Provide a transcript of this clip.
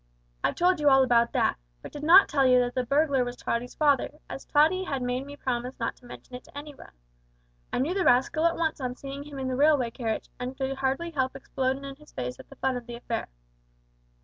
I've told you all about that, but did not tell you that the burglar was Tottie's father, as Tottie had made me promise not to mention it to any one. I knew the rascal at once on seeing him in the railway carriage, and could hardly help explodin' in his face at the fun of the affair.